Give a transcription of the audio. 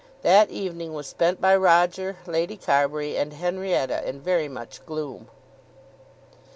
That evening was spent by Roger, Lady Carbury, and Henrietta, in very much gloom.